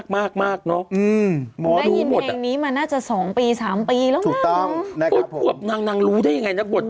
ข้ามโฆษณาเองได้แล้ว